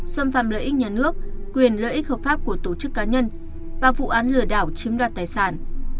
xâm phạm lợi ích nhà nước quyền lợi ích hợp pháp của tổ chức cá nhân và vụ án lừa đảo chiếm đoạt tài sản